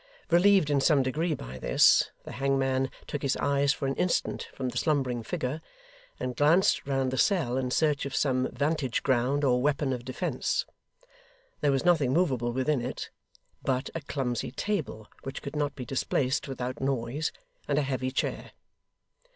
Relieved in some degree by this, the hangman took his eyes for an instant from the slumbering figure, and glanced round the cell in search of some 'vantage ground or weapon of defence. There was nothing moveable within it, but a clumsy table which could not be displaced without noise, and a heavy chair.